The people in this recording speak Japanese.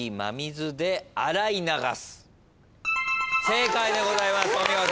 正解でございますお見事。